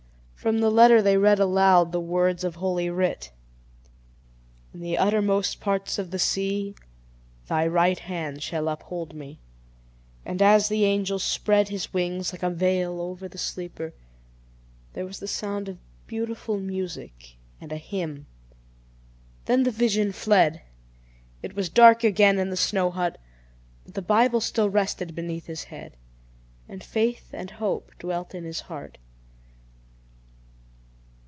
From the letter they read aloud the words of Holy Writ: "In the uttermost parts of the sea, Thy right hand shall uphold me." And as the angel spread his wings like a veil over the sleeper, there was the sound of beautiful music and a hymn. Then the vision fled. It was dark again in the snow hut: but the Bible still rested beneath his head, and faith and hope dwelt in his heart.